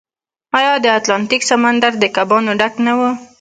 آیا د اتلانتیک سمندر د کبانو ډک نه و؟